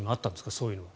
そういうのは。